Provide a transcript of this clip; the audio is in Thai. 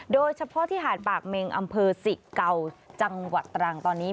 โดยเฉพาะที่หาดปากเมงอำเภอสิเกาจังหวัดตรังตอนนี้